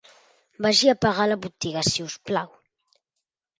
Vagi a pagar a la botiga, si us plau.